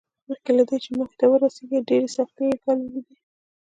مخکې له دې چې موخې ته ورسېږي ډېرې سختۍ یې ګاللې دي